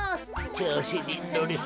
ちょうしにのりすぎた。